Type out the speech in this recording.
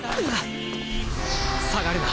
下がるな！